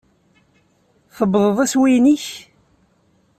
Tewwḍeḍ iswiyen-ik?